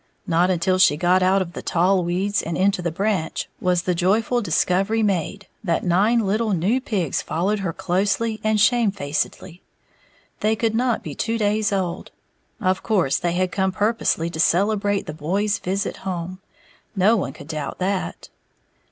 Not until she got out of the tall weeds, and into the branch, was the joyful discovery made that nine little new pigs followed her closely and shamefacedly. They could not be two days old, of course they had come purposely to celebrate the boys' visit home, no one could doubt that!